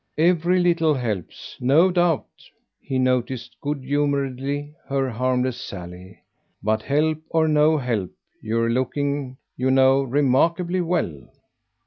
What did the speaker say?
"Every little helps, no doubt!" he noticed good humouredly her harmless sally. "But, help or no help, you're looking, you know, remarkably well."